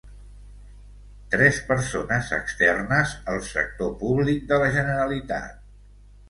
Tres persones externes al sector públic de la Generalitat.